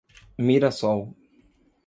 Mirassol